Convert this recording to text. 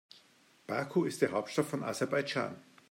Baku ist die Hauptstadt von Aserbaidschan.